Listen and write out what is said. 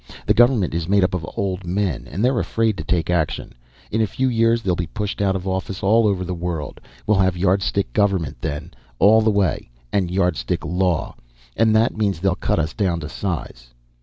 The government is made up of old men, and they're afraid to take action. In a few years they'll be pushed out of office all over the world. We'll have Yardstick government then, all the way, and Yardstick law. And that means they'll cut us down to size."